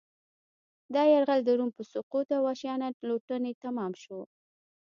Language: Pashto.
دا یرغل د روم په سقوط او وحشیانه لوټنې تمام شو